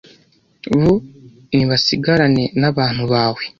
bo nibasigarane n’abantu bawe